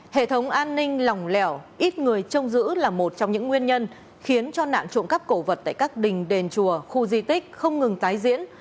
hệ thống an ninh lòng lẻo ít người trông giữ là một trong những nguyên nhân khiến cho nạn trộm cắp cổ vật tại các đình đền chùa khu di tích không ngừng tái diễn